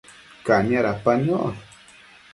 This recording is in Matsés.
Cania dapa niosh